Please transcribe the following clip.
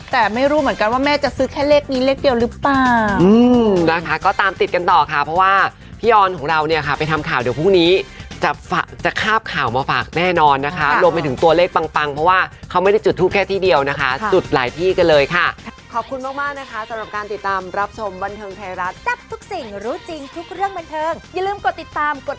แต่ไม่รู้เหมือนกันว่าแม่จะซื้อแค่เลขนี้เลขเดียวหรือเปล่า